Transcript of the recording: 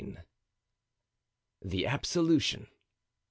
The Absolution.